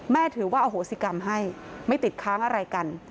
ถือว่าอโหสิกรรมให้ไม่ติดค้างอะไรกัน